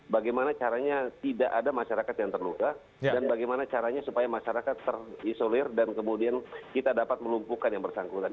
bagaimana caranya tidak ada masyarakat yang terluka dan bagaimana caranya supaya masyarakat terisolir dan kemudian kita dapat melumpuhkan yang bersangkutan